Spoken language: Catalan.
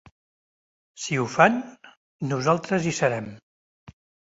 Si ho fan, nosaltres hi serem.